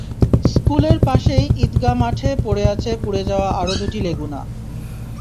স্কুলের পাশেই ঈদগাহ মাঠে পড়ে আছে পুড়ে যাওয়া আরও দুটি লেগুনা।